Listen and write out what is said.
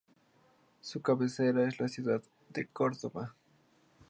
Su cabecera es la ciudad de Córdoba.